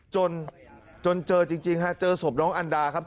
จนจนเจอจริงฮะเจอศพน้องอันดาครับ